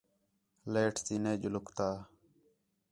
لائیٹ تی نے ڄُلکتا